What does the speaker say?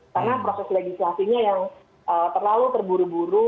karena proses legislasinya yang terlalu terburu buru